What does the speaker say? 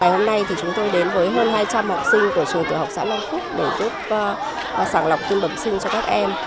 hôm nay chúng tôi đến với hơn hai trăm linh học sinh của trường tiểu học xã long phúc để giúp sàng lọc tim bẩm sinh cho các em